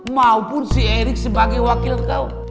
maupun si erik sebagai wakil kau